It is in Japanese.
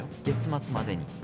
月末までに。